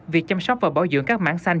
việc chăm sóc và bảo dưỡng các mảng xanh